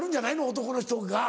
男の人が。